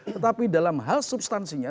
tetapi dalam hal substansinya